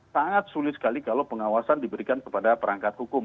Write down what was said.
sangat sulit sekali kalau pengawasan diberikan kepada perangkat hukum